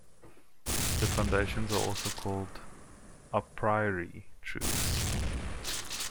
The foundations are also called "a priori" truths.